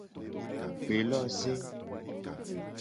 Gbeloze.